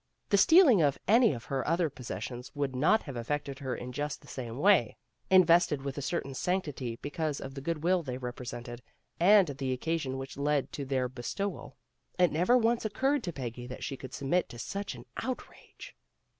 The stealing of any of her other possessions would not have affected her in just the same way. But these were her wedding presents, invested with a certain sanctity because of the goodwill they represented, and the occasion which led to their bestowal. It never once occurred to Peggy that she could submit to. su'ch an out rage.